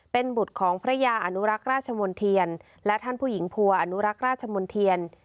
เป็นบุตรของพระยาอนุรักษ์ราชมนเทียนและท่านผู้หญิงภัวอนุรักษ์ราชมนเทียน